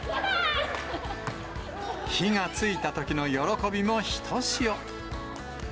火がついたときの喜びもひとしお。